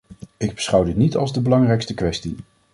Ik beschouw dit niet als de belangrijkste kwestie.